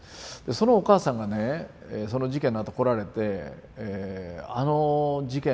そのお母さんがねその事件のあと来られてあの事件はね